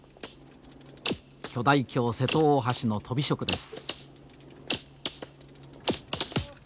巨大橋瀬戸大橋のとび職です。